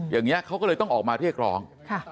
อย่างนี้เขาก็เลยต้องออกมาเรียกร้อง